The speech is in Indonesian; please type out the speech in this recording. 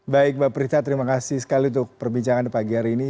baik mbak prita terima kasih sekali untuk perbincangan pagi hari ini